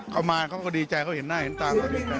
เขามาเขาก็ดีใจเขาเห็นหน้าเห็นตาเรา